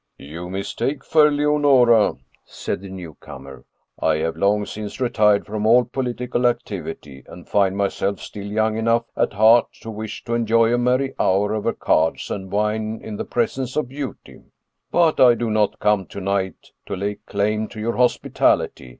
" You mistake, fair Leonora," said the newcomer. " I have long since retired from all political activity, and find myself still young enough at heart to wish to enjoy a merry hour over cards and wine in the presence of beauty But I do not come to night to lay claim to your hospitality.